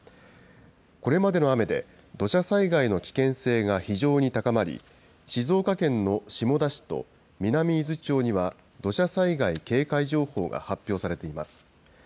これまでの雨で、土砂災害の危険性が非常に高まり、静岡県の下田市と南伊豆町には土砂災害警戒情報が発表されています。